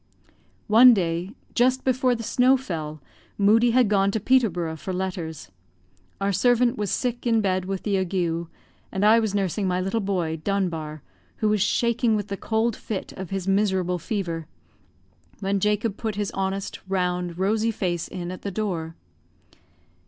One day, just before the snow fell, Moodie had gone to Peterborough for letters; our servant was sick in bed with the ague, and I was nursing my little boy, Dunbar, who was shaking with the cold fit of his miserable fever, when Jacob put his honest, round, rosy face in at the door.